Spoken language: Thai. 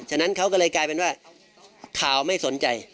ฉะนั้นเขาก็เลยกลายเป็นว่าข่าวไม่สนใจ